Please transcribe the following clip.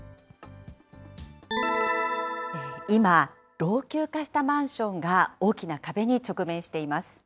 今、老朽化したマンションが大きな壁に直面しています。